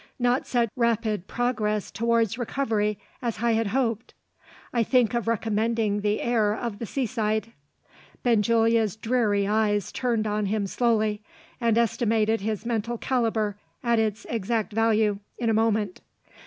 "Not such rapid progress towards recovery as I had hoped. I think of recommending the air of the seaside." Benjulia's dreary eyes turned on him slowly, and estimated his mental calibre at its exact value, in a moment.